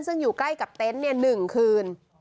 ซึ่งอยู่ใกล้กับเต็นต์๑คืน